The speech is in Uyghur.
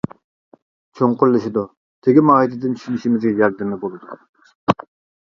چوڭقۇرلىشىدۇ، تېگى ماھىيىتىدىن چۈشىنىشىمىزگە ياردىمى بولىدۇ.